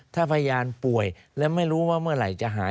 ถ้าพยานป่วยแล้วไม่รู้ว่าเมื่อไหร่จะหาย